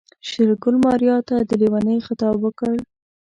شېرګل ماريا ته د ليونۍ خطاب وکړ.